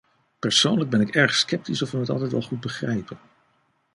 Persoonlijk ben ik erg sceptisch of we het altijd wel goed begrijpen.